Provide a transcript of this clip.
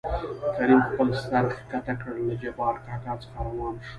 کريم خپل سر ښکته کړ له جبار کاکا څخه راوان شو.